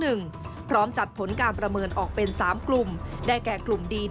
ซึ่งกลางปีนี้ผลการประเมินการทำงานขององค์การมหาชนปี๒ประสิทธิภาพสูงสุด